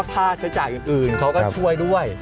ค่าใช้จ่ายอื่นเขาก็ช่วยด้วย